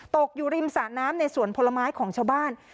ตกอยู่ริมสระน้ำในสวนผลไม้ของชาวบ้าน